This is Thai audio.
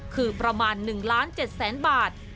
คือประมาณ๑๗๐๐๐๐๐บาท